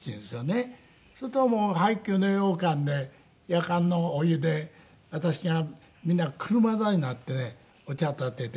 するともう配給のようかんでやかんのお湯で私が皆車座になってねお茶たてて。